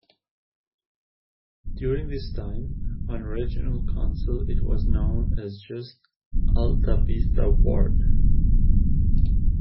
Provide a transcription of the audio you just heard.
During this time, on regional council it was known as just Alta Vista Ward.